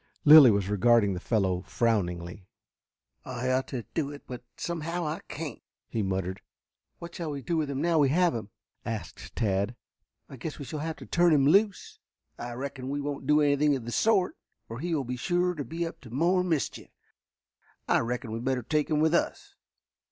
Lilly was regarding the fellow frowningly. "I ought to do it, but somehow I can't," he muttered. "What shall we do with him now we have him?" asked Tad. "I guess we shall have to turn him loose." "I reckon we won't do anything of the sort, or he will be sure to be up to more mischief. I reckon we better take him with us.